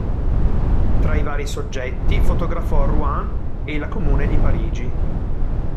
Tra i vari soggetti, fotografò Rouen e la Comune di Parigi.